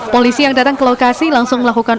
polisi yang datang ke lokasi langsung melakukan